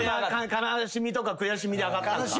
悲しみとか悔しみであがったんか。